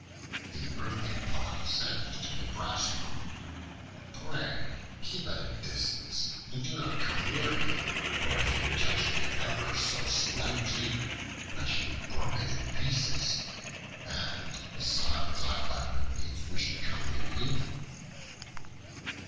The Earthen Pot said to the Brass Pot, "Pray keep at a distance and do not come near me, for if you touch me ever so slightly, I shall be broken in pieces, and besides, I by no means wish to come near you."